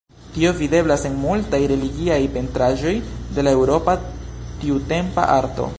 Tio videblas en multaj religiaj pentraĵoj de la eŭropa tiutempa arto.